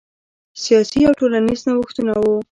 سیاسي او ټولنیز نوښتونه وو.